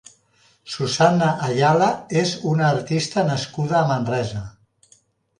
Susanna Ayala és una artista nascuda a Manresa.